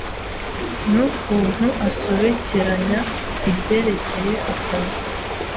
n'ukuntu asobekeranye; ibyerekeye akazi